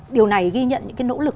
điều này ghi nhận những cái nỗ lực